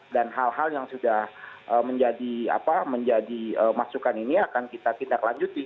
dan hal hal yang sudah menjadi masukan ini akan kita tindak lanjuti